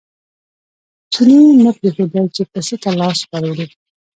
چیني نه پرېښودل چې پسه ته لاس ور وړي.